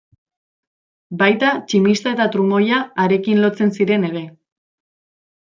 Baita tximista eta trumoia harekin lotzen ziren ere.